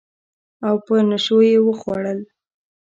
او په نشو یې وخوړل